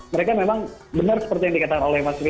mereka memang benar seperti yang dikatakan oleh mas wi